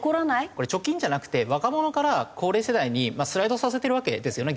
これ貯金じゃなくて若者から高齢世代にスライドさせてるわけですよね